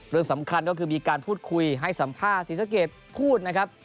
เรื่องสำคัญก็คือมีการพูดคุยให้สัมภาษณ์ศรีสะเกดพูดนะครับ